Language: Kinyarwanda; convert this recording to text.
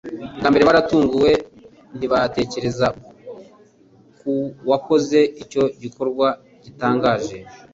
Bwa mbere baraturuguwe ntibatekereza ku wakoze icyo gikorwa gitangaje.